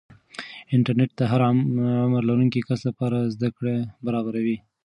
انټرنیټ د هر عمر لرونکي کس لپاره زده کړه برابروي.